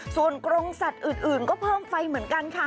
ส่วนกรงสัตว์อื่นก็เพิ่มไฟเหมือนกันค่ะ